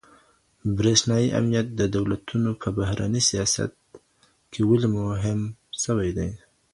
برېښنايي امنيت د دولتونو په بهرني سياست کي ولي مهم سوی دی؟